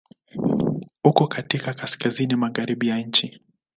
Uko katika kaskazini-magharibi ya nchi.